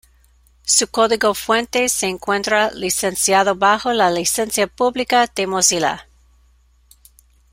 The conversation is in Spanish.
Su código fuente se encuentra licenciado bajo la Licencia Pública de Mozilla.